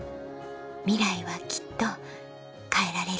ミライはきっと変えられる